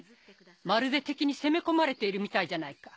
まるで敵に攻め込まれているみたいじゃないか。